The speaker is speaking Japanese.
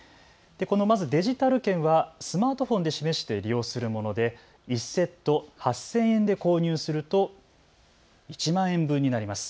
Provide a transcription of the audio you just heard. まずデジタル券はスマートフォンで示して利用するもので１セット８０００円で購入すると１万円分になります。